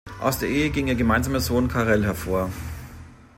Aus der Ehe ging ihr gemeinsamer Sohn Karel hervor.